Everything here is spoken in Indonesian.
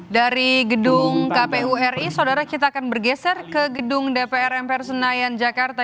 dari gedung kpu ri saudara kita akan bergeser ke gedung dpr mpr senayan jakarta